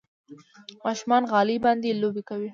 ماشومان غالۍ باندې لوبې کوي.